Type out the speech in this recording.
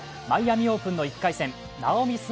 マイアミ・オープンの１回戦なおみ